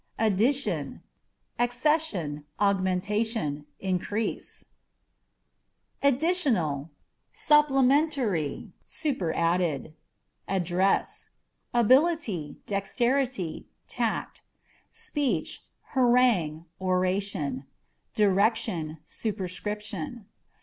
Addition â€" accession, augmentation, increase. 6 ADDâ€" ADR. Additional â€" supplementary, superadded. Address â€" ability, dexterity, tact ; speech, harangue, oration ; direction, superscription.